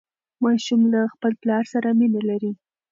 ماشوم له خپل پلار سره مینه لري.